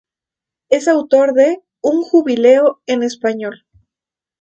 Es autor de "Un jubileo en español.